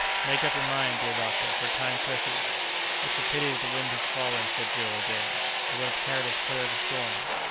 "Make up your mind, dear doctor, for time presses!" "It's a pity that the wind has fallen," said Joe, again; "it would have carried us clear of the storm."